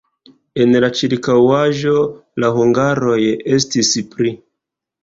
En la ĉirkaŭaĵo la hungaroj estis pli.